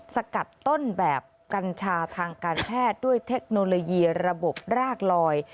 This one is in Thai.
สกัดต้นแบบกัญชาทางการแพทย์ด้วยเทคโนโลยีระบบรากลอย